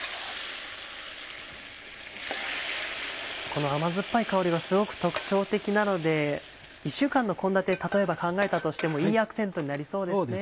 この甘酸っぱい香りがすごく特徴的なので１週間の献立例えば考えたとしてもいいアクセントになりそうですね。